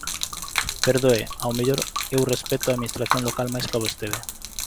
Perdoe, ao mellor eu respecto a Administración local máis ca vostede.